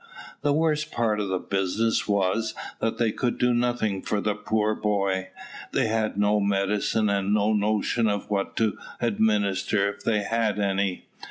The worst part of the business was, that they could do nothing for the poor boy. They had no medicine, and had no notion of what to administer if they had had any.